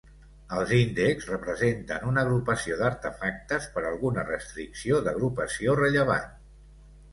Els índexs representen una agrupació d'artefactes per alguna restricció d'agrupació rellevant.